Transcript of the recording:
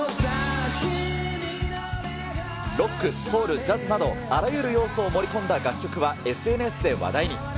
ロック、ソウル、ジャズなどあらゆる要素を盛り込んだ楽曲は、ＳＮＳで話題に。